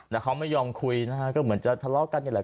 แต่เขาไม่ยอมคุยนะฮะก็เหมือนจะทะเลาะกันนี่แหละ